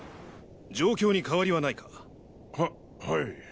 状況に変わりはないか？ははい。